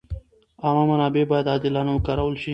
عامه منابع باید عادلانه وکارول شي.